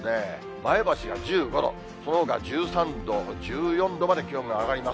前橋が１５度、そのほかは１３度、１４度まで気温が上がります。